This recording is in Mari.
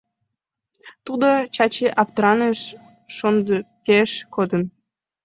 Тудо, — Чачи аптыраныш, — шондыкеш кодын.